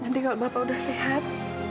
nanti kalau bapak udah sehat